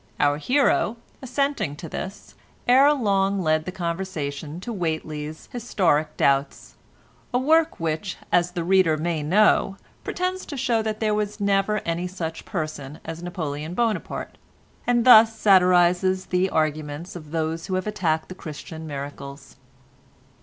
Our hero, assenting to this, ere long led the conversation to Whateley's "Historic Doubts"—a work which, as the reader may know, pretends to show that there never was any such person as Napoleon Buonaparte, and thus satirises the arguments of those who have attacked the Christian miracles.